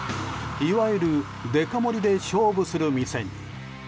いわゆるデカ盛りで勝負する店に。